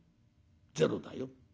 ゼロだよ。